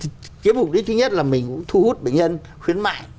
chứ mục đích thứ nhất là mình thu hút bệnh nhân khuyến mại